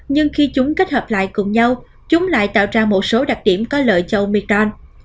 nhưng khi chúng kết hợp lại cùng nhau chúng lại tạo ra một số đặc điểm có lợi cho oecon